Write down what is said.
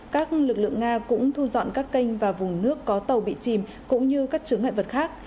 các lực lượng nga cũng thu dọn các kênh và vùng nước có tàu bị chìm cũng như các chứng ngại vật khác